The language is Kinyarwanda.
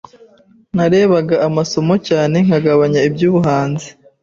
Narebaga amasomo cyane nkagabanya iby’ubuhanzi